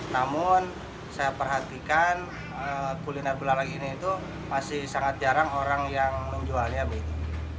namun saya perhatikan kuliner belalang ini itu masih sangat jarang orang yang menjualnya begitu